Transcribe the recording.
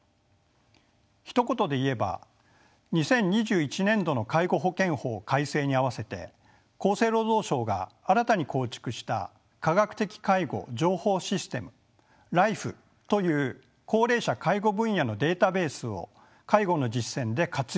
ひと言で言えば２０２１年度の介護保険法改正に合わせて厚生労働省が新たに構築した科学的介護情報システムＬＩＦＥという高齢者介護分野のデータベースを介護の実践で活用するというものです。